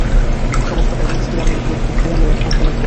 সমস্ত কাজেই ছিদামের উপর দুখিরামের একমাত্র নির্ভর।